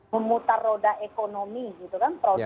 memutar roda ekonomi gitu kan